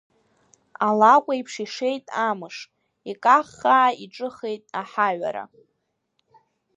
Алакәеиԥш ишеит амыш, икаххаа иҿыхеит аҳаҩара.